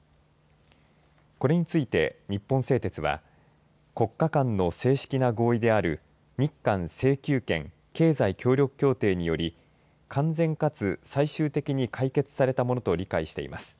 これについて日本製鉄は国家間の正式な合意である日韓請求権・経済協力協定により完全かつ最終的に解決されたものと理解しています。